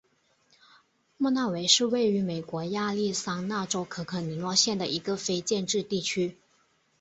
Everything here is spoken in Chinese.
莫纳维是位于美国亚利桑那州可可尼诺县的一个非建制地区。